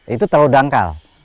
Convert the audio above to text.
itu terlalu dangkal